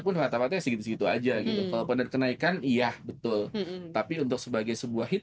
pun rata rata segitu segitu aja gitu kalaupun ada kenaikan iya betul tapi untuk sebagai sebuah hit